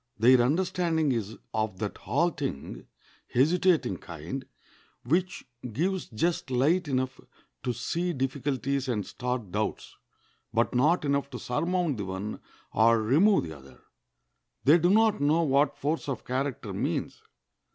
Their understanding is of that halting, hesitating kind, which gives just light enough to see difficulties and start doubts, but not enough to surmount the one or remove the other. They do not know what force of character means.